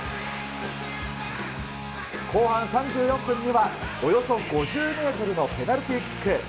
後半３４分には、およそ５０メートルのペナルティキック。